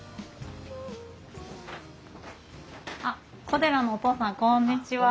小寺のお父さんこんにちは。